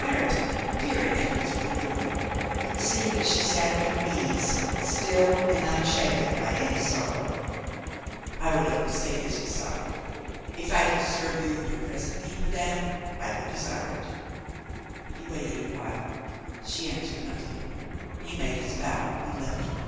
Ireton, peering at her through the gloom, could see that she sat at her ease, still and unshaken by any sorrow. "I would say only this beside: If I can serve you In your present need, madame, I would desire it." He waited a while. She answered nothing. He made his bow and left her.